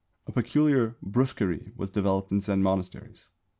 A peculiar "brusquerie" was developed in Zen monasteries.